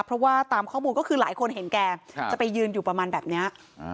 เพราะว่าตามข้อมูลก็คือหลายคนเห็นแกจะไปยืนอยู่ประมาณแบบนี้